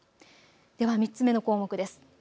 では３つ目の項目です。